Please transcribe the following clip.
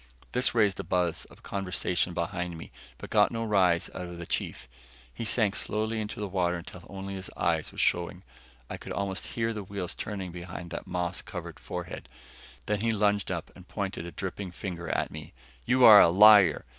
This raised a buzz of conversation behind me, but got no rise out of the chief. He sank slowly into the water until only his eyes were showing. I could almost hear the wheels turning behind that moss covered forehead. Then he lunged up and pointed a dripping finger at me. "You are a liar!